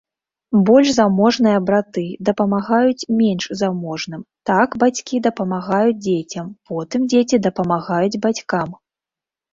Больш заможныя браты дапамагаюць менш заможным, так бацькі дапамагаюць дзецям, потым дзеці дапамагаюць бацькам.